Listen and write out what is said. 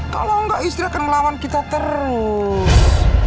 kalau enggak istri akan melawan kita terus